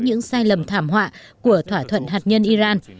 những sai lầm thảm họa của thỏa thuận hạt nhân iran